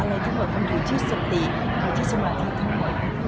อะไรทั้งหมดมันอยู่ที่สติอยู่ที่สมาธิทั้งหมด